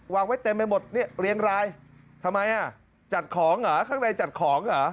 วางไว้เต็มไปหมดเรียงรายทำไมจัดของเหรอข้างในจัดของเหรอ